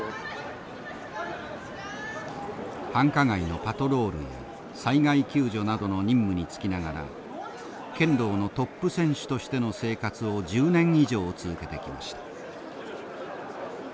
繁華街のパトロールや災害救助などの任務につきながら剣道のトップ選手としての生活を１０年以上続けてきました。